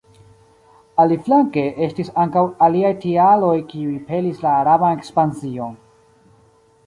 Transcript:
Aliflanke, estis ankaŭ aliaj tialoj kiuj pelis la araban ekspansion.